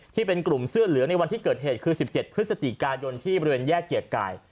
ที่เป็นกลุ่มเสื้อเหลืองในวันที่เกิดเหตุคือ๑๗พฤศจิกายนที่บริเวณแยกเกียรติกาย